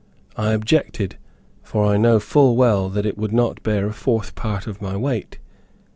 I objected, for I know full well that it would not bear a fourth part of my weight.